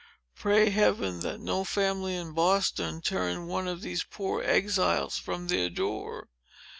Pray Heaven, that no family in Boston turned one of these poor exiles from their door!